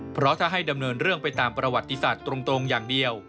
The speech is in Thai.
เพราะถ้าให้ดำเนินเรื่องไปตามประวัติศาสตร์ตรงอย่างเดียว